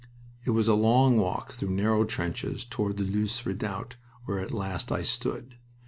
It was a long walk through narrow trenches toward that Loos redoubt where at last I stood.